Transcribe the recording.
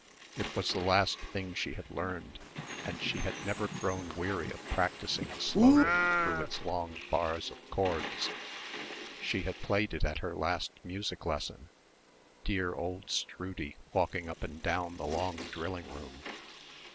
It was the last thing she had learned, and she had never grown weary of practising slowly through its long bars of chords. She had played it at her last music lesson ... dear old Stroodie walking up and down the long drilling room....